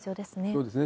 そうですね。